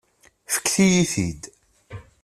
Fket-iyi-t-id.